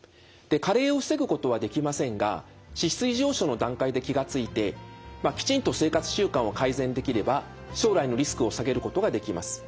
加齢を防ぐことはできませんが脂質異常症の段階で気が付いてきちんと生活習慣を改善できれば将来のリスクを下げることができます。